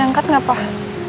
dengkat gak pak